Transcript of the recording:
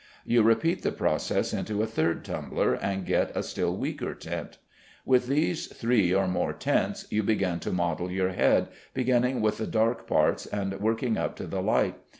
You repeat the process into a third tumbler, and get a still weaker tint. With these three or more tints you begin to model your head, beginning with the dark parts and working up to the light.